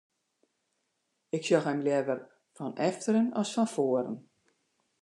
Ik sjoch him leaver fan efteren as fan foaren.